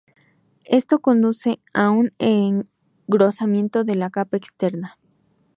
Esto conduce a un engrosamiento de la capa externa.